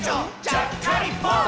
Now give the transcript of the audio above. ちゃっかりポン！」